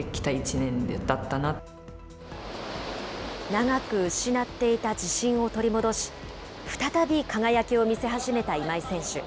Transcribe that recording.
長く失っていた自信を取り戻し、再び輝きを見せ始めた今井選手。